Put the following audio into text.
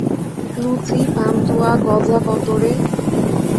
লুচি, পানতুয়া, গজা-কত রে!